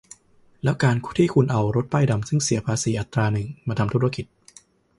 แล้วการที่คุณเอารถป้ายดำซึ่งเสียภาษีอัตราหนึ่ง มาทำธุรกิจ